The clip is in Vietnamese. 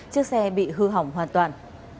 chiếc xe bị hư hỏng hoàn toàn